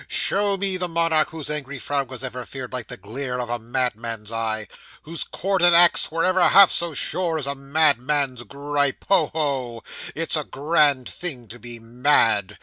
Show me the monarch whose angry frown was ever feared like the glare of a madman's eye whose cord and axe were ever half so sure as a madman's gripe. Ho! ho! It's a grand thing to be mad!